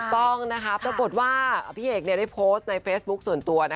ต้องปรากฏว่าพี่เอกได้โพสต์ในเฟซบุ๊คส่วนตัว